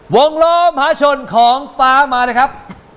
วงโลมหาชนของฟ้ามานะครับ